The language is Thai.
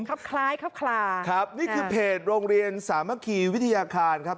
ครับคล้ายครับคลาครับนี่คือเพจโรงเรียนสามัคคีวิทยาคารครับ